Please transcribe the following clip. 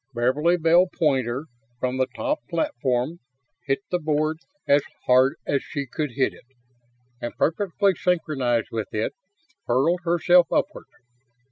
Beverly Bell Poynter, from the top platform, hit the board as hard as she could hit it; and, perfectly synchronized with it, hurled herself upward.